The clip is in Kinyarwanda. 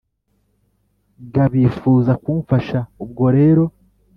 ga bifuza kumfasha Ubwo rero